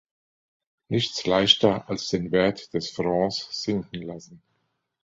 Nichts leichter als den Wert des Franc sinken lassen.